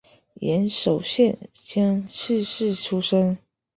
岩手县江刺市出身。